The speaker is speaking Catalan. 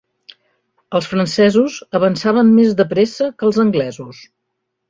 Els francesos avançaven més de pressa que els anglesos.